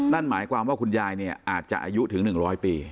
นั่นหมายความว่าคุณยายเนี่ยอาจจะอายุถึง๑๐๐ปี